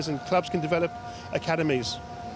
dan klub bisa membangun akademik